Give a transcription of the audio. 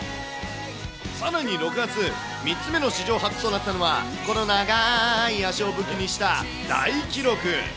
さらに６月、３つ目の史上初となったのは、この長ーい脚を武器にした大記録。